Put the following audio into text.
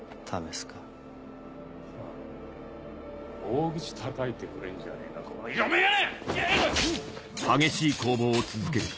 大口たたいてくれんじゃねえかこの色眼鏡！